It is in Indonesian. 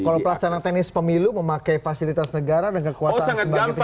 kalau pelaksanaan teknis pemilu memakai fasilitas negara dan kekuasaan sebagai penyelenggara